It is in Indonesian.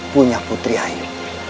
punya putri air